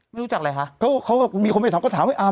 ไม่รู้จักอะไรฮะเขาเขาก็มีคนไปทำก็ถามให้อาม